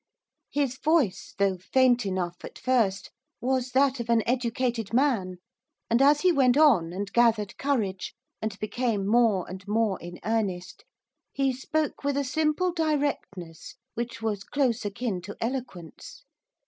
His voice, though faint enough at first, was that of an educated man, and as he went on, and gathered courage, and became more and more in earnest, he spoke with a simple directness which was close akin to eloquence.